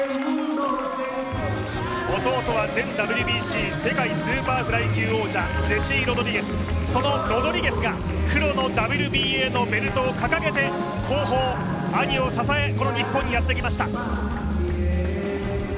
弟は前ＷＢＣ世界スーパーフライ級王者、ジェシー・ロドリゲス、そのロドリゲスが黒のＷＢＡのベルトを掲げて後方、兄を支えこの日本にやってきました。